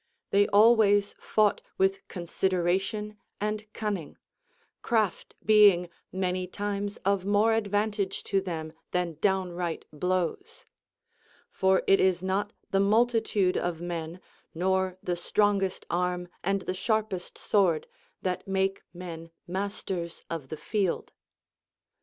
They always fought with consideration and cun ning, craft being many times of more advantage to them than downright blows ; for it is not the multitude of men, nor the strongest arm and the sharpest sword, that make men masters of the field.